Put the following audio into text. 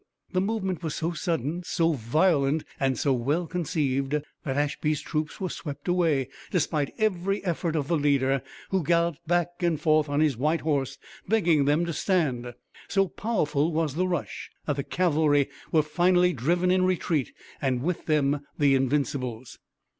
The movement was so sudden, so violent and so well conceived that Ashby's troops were swept away, despite every effort of the leader, who galloped back and forth on his white horse begging them to stand. So powerful was the rush that the cavalry were finally driven in retreat and with them the Invincibles.